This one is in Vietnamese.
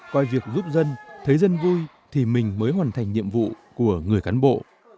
coi việc giúp dân thấy dân vui thì mình mới hoàn thành nhiệm vụ của người cán bộ